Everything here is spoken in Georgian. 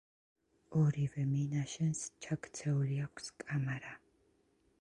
ორივე მინაშენს ჩაქცეული აქვს კამარა.